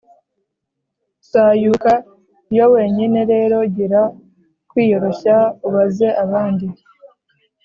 usayuka yo wenyine, rero gira kwiyoroshya ubaze abandi.”